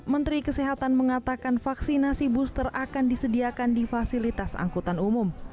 menteri kesehatan mengatakan vaksinasi booster akan disediakan di fasilitas angkutan umum